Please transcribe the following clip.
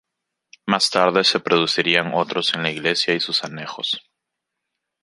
Más tarde se producirían otros en la iglesia y sus anejos.